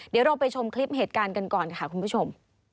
เดี๋ยวเราไปชมคลิปเหตุการณ์กันก่อนค่ะคุณผู้ชม